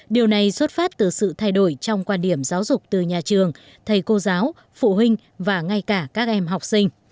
điều này xuất phát từ sự thay đổi trong quan điểm giáo dục từ nhà trường thầy cô giáo phụ huynh và ngay cả các em học sinh